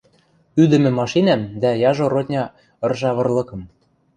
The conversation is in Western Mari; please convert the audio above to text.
ӱдӹмӹ машинӓм дӓ яжо родня ыржа вырлыкым.